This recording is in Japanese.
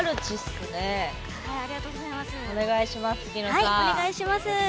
はいお願いします。